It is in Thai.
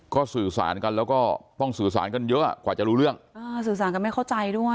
ก็สื่อสารกันแล้วก็ต้องสื่อสารกันเยอะกว่าจะรู้เรื่องอ่าสื่อสารกันไม่เข้าใจด้วย